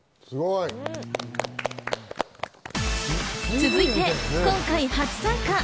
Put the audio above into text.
続いて今回、初参加。